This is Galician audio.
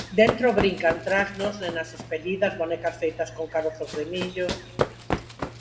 Dentro brincan trasnos, nenas espelidas, bonecas feitas con carozos de millo...